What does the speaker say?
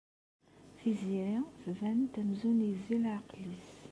Tiziri tban-d amzun yezzi leɛqel-is.